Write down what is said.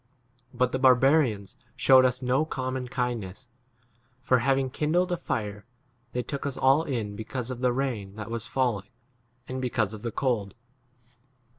But the barbarians shewed us no common kindness ; for, having kindled a fire, they took us all in because of the rain that was falling and be 3 cause of the cold.